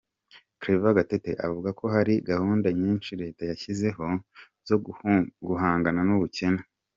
Claver Gatete, avuga ko hari gahunda nyinshi Leta yashyizeho zo gukomeza guhangana n’ubukene.